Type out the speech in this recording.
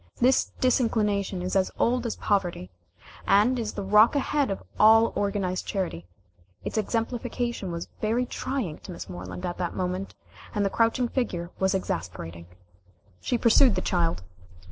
This disinclination is as old as poverty, and is the rock ahead of all organized charity. Its exemplification was very trying to Miss Moreland at that moment, and the crouching figure was exasperating. She pursued the child.